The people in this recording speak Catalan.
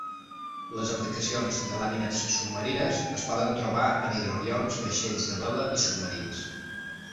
Les aplicacions de làmines submarines es poden trobar en hidroavions, vaixells de vela i submarins.